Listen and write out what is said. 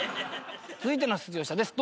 続いての出場者です。